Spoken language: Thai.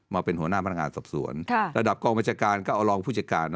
มาเป็นหัวหน้าพนักงานสอบสวนระดับกองบัญชาการก็เอารองผู้จัดการ